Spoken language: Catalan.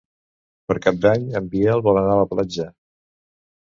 Per Cap d'Any en Biel vol anar a la platja.